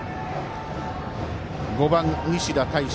５番、西田大志。